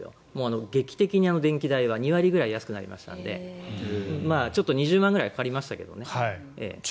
劇的に電気代が２割ぐらいは安くなりましたのでちょっと２０万ぐらいかかりましたけどね。